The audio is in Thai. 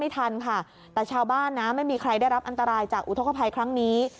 ทันค่ะแต่ชาวบ้านนะไม่มีใครได้รับอันตรายจากอุทธกภัยครั้งนี้